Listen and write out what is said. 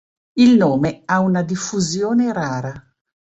Il nome ha una diffusione rara.